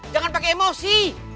jangan pakai emosi